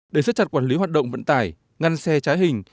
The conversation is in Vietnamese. để sức chặt quản lý hoạt động vận tài ngăn xe trái hình